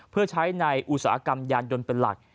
เพื่อใช้ในอุตสาหกรรมยานยนต์เป็นหลัก